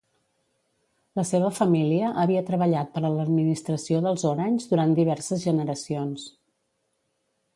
La seva família havia treballat per a l'administració dels Orange durant diverses generacions.